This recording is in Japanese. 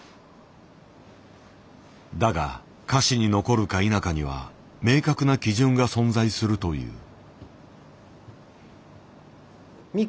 だが歌詞に残るか否かには明確な基準が存在するという。